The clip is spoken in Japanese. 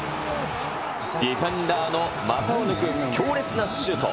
ディフェンダーの股を抜く強烈なシュート。